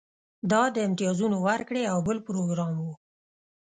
دا د امتیازونو ورکړې یو بل پروګرام و